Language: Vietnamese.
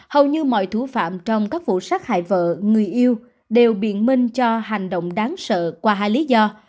hầu như mọi thủ phạm trong các vụ sát hại vợ người yêu đều biện minh cho hành động đáng sợ qua hai lý do